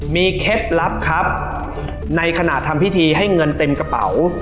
มีเคล็ดลับครับในขณะทำพิธีให้เงินเต็มกระเป๋า